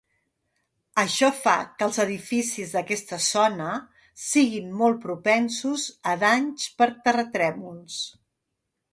Això fa que els edificis d'aquesta zona siguin molt propensos a danys per terratrèmols.